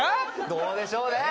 どうでしょうね？